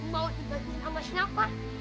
mau dibagi sama siapa